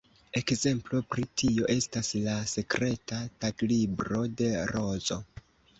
Ekzemplo pri tio estas ""La Sekreta Taglibro de Rozo"".